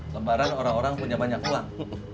lebaran orang orang punya banyak uang